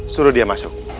suruh dia masuk